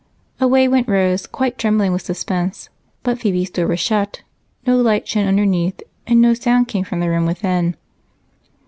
Away went Rose, quite trembling with suspense, but Phebe's door was shut, no light shone underneath, and no sound came from the room within.